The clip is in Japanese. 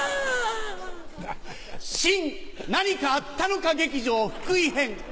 新何かあったのか劇場福井編。